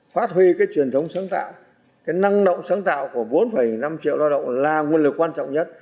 phát huy cái truyền thống sáng tạo cái năng động sáng tạo của bốn năm triệu lao động là nguồn lực quan trọng nhất